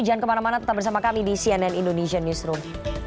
jangan kemana mana tetap bersama kami di cnn indonesian newsroom